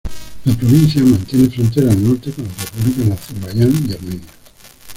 La provincia mantiene frontera al norte con las repúblicas de Azerbaiyán y Armenia.